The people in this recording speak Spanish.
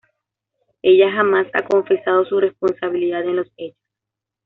Ella jamás ha confesado su responsabilidad en los hechos.